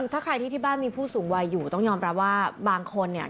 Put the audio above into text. ถ้าใครที่ที่บ้านมีผู้สูงวัยอยู่ต้องยอมรับว่าบางคนเนี่ย